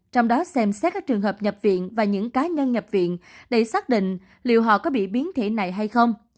trong đó xem xét các trường hợp nhập viện và những cá nhân nhập viện để xác định liệu họ có bị biến thể này hay không